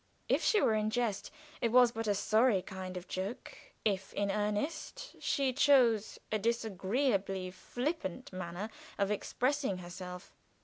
If she were in jest, it was but a sorry kind of joke if in earnest, she chose a disagreeably flippant manner of expressing herself.